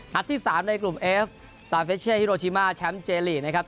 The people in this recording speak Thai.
ที่๓ในกลุ่มเอฟซาเฟชเช่ฮิโรชิมาแชมป์เจลีกนะครับ